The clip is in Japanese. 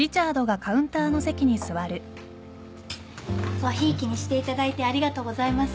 ごひいきにしていただいてありがとうございます。